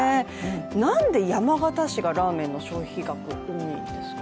何で山形市がラーメンの消費額多いんでしょうか。